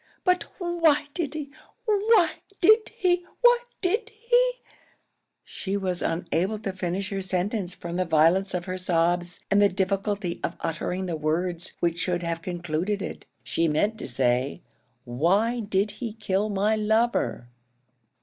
But why did he why did he why did he " She was unable to finish her sentence from the violence of her sobs and the difficulty of uttering the words which should have concluded it. She meant to say, "Why did he kill my lover?"